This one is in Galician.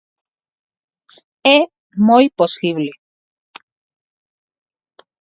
É moi posible.